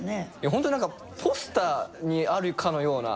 本当に何かポスターにあるかのような。